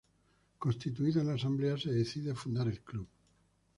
Constituida la asamblea se decide fundar el club.